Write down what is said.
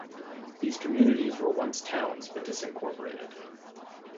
These communities were once towns but disincorporated.